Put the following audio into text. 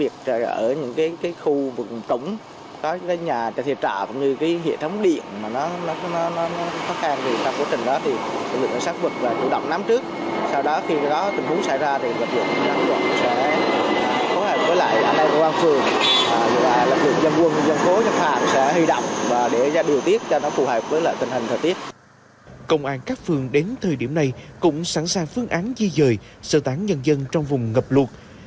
công an các phương đến thời điểm này cũng sẵn sàng phương án di dời sơ tán nhân dân trong vùng ngập luộc